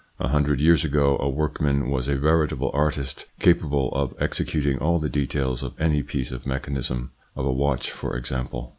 A hundred years ago, a workman was a veritable artist capable of executing all the details of any piece of mechanism of a watch for example.